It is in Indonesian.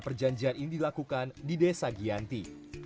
perjanjian ini dilakukan di desa giyanti